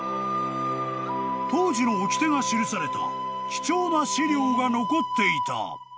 ［当時のおきてが記された貴重な史料が残っていた］